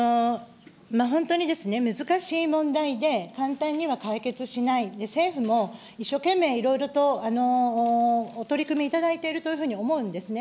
本当に難しい問題で、簡単には解決しない、政府も一生懸命いろいろと取り組みいただいているというふうに思うんですね。